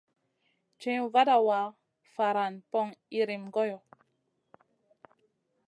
Ciwn vada wa, faran poŋ iyrim goyo.